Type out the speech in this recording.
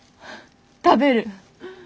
食べる。